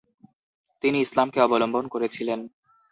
তিনি ইসলামকে অবলম্বন করেছিলেন।